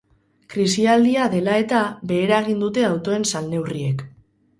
Krisialdia dela eta, behera egin dute autoen salneurriek.